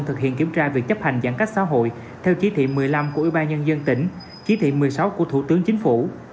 thực hiện kiểm tra việc chấp hành giãn cách xã hội theo chí thị một mươi năm của ubnd tỉnh chí thị một mươi sáu của thủ tướng chính phủ